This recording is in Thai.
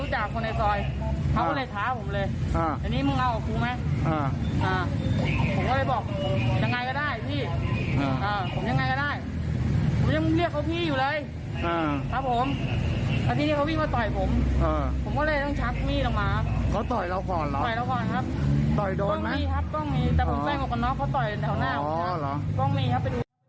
แต่ผมแม่งบอกว่าน้องเขาต่อยแถวหน้าผมครับต้องมีครับ